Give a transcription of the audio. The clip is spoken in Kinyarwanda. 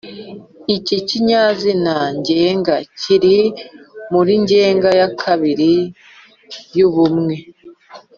iki kinyazina ngenga kiri muri ngenga ya kabiri y'ubumwe